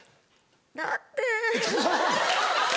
「だって」。